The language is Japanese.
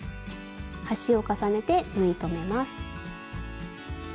端を重ねて縫い留めます。